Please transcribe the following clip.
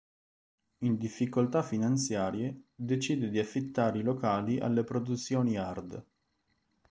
In difficoltà finanziarie, decide di affittare i locali alle produzioni hard.